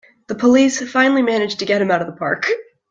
The police finally manage to get him out of the park!